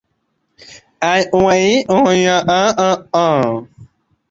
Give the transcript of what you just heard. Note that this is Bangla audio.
শেখ মুজিবুর রহমান এই সরকারের রাষ্ট্রপতি নিযুক্ত হন।